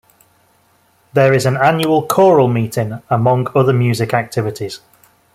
There is an annual choral meeting, among other music activities.